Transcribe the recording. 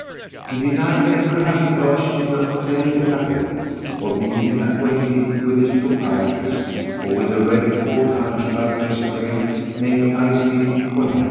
He denied ever having lodged in the Hôtel des Cadets, or been acquainted with its proprietress, or with a red polled, hunchback miscreant named Aristide Nicolet.